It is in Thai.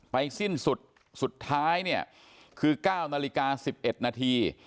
สิ้นสุดสุดท้ายเนี่ยคือ๙นาฬิกา๑๑นาที